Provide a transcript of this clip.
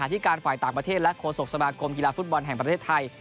ที่การฝ่ายต่างประเทศและโฆษกสมาคมกีฬาฟุตบอลแห่งประเทศไทย